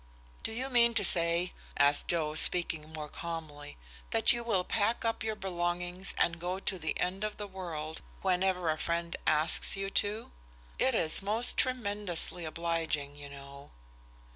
"Do you mean to say," asked Joe, speaking more calmly, "that you will pack up your belongings and go to the end of the world whenever a friend asks you to? It is most tremendously obliging, you know."